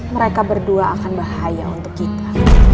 mereka berdua akan bahaya untuk kita